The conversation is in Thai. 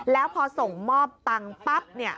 แล้วพอส่งมอบตังค์ปั๊บเนี่ย